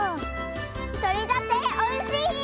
とれたておいしい！